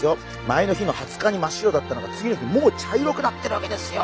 前の日の２０日に真っ白だったのが次の日もう茶色くなってるわけですよ。